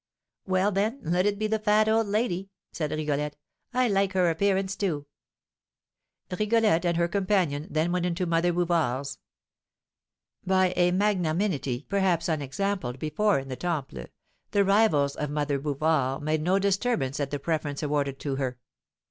"Well, then, let it be the fat old lady," said Rigolette. "I like her appearance, too." Rigolette and her companion then went into Mother Bouvard's. By a magnanimity, perhaps unexampled before in the Temple, the rivals of Mother Bouvard made no disturbance at the preference awarded to her.